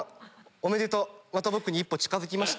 おめでとうまた僕に一歩近づきました。